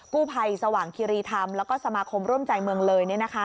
กู้ภัยสว่างคิรีธรรมแล้วก็สมาคมร่วมใจเมืองเลย